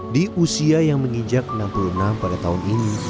di usia yang menginjak enam puluh enam pada tahun ini